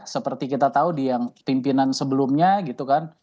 seperti kita tahu di yang pimpinan sebelumnya gitu kan